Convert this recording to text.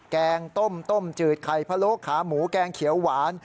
แกงต้มต้มจืดไข่พะโลขาหมูแกงเขียวหวาน